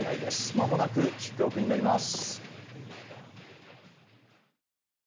まもなくキックオフになります。